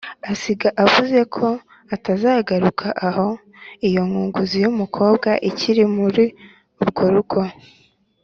Asiga avuze ko atazagaruka aho iyo nkunguzi y' umukobwa ikiri muri urwo rugo